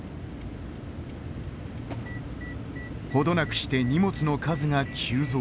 程なくして荷物の数が急増。